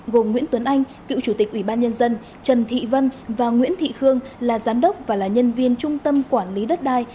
gồm nguyễn tuấn anh cựu chủ tịch ủy ban nhân dân trần thị vân và nguyễn thị khương là giám đốc và là nhân viên trung tâm quản lý đất đai